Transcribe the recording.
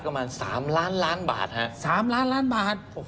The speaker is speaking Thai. ประมาณ๓ล้านล้านบาทฮะ๓ล้านล้านบาท